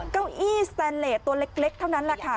เก้าอี้สแตนเลสตัวเล็กเท่านั้นแหละค่ะ